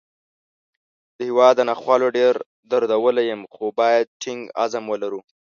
د هیواد ناخوالو ډېر دردولی یم، خو باید ټینګ عزم ولرو